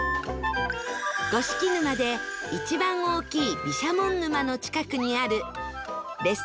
五色沼で一番大きい毘沙門沼の近くにあるをいただきます